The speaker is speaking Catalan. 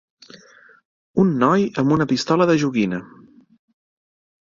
Un noi amb una pistola de joguina.